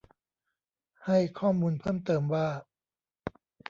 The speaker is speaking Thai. ให้ข้อมูลเพิ่มเติมว่า